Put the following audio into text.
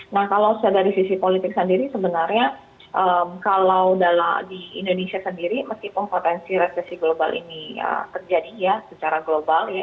nah kalau dari sisi politik sendiri sebenarnya kalau di indonesia sendiri meskipun potensi resesi global ini terjadi ya secara global ya